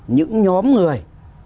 những nhóm người